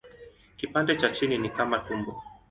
Kipande cha chini ni kama tumbo.